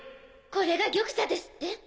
これが玉座ですって？